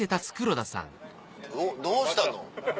えっどうしたの？